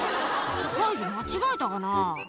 「サイズ間違えたかな？」